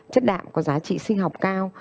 chất đạm có giá trị sinh học cao